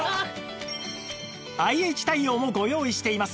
ＩＨ 対応もご用意しています